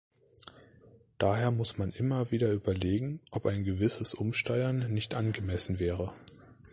Daher muss man immer wieder überlegen, ob ein gewisses Umsteuern nicht angemessen wäre.